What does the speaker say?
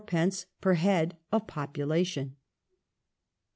per head of population.